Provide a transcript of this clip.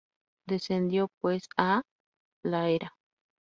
Descendió pues á la era